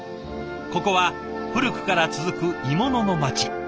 ここは古くから続く鋳物の町。